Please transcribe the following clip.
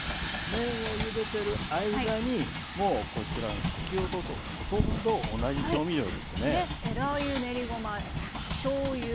麺をゆでてる間にもうこちらの先ほどとほとんど同じ調味料ですね。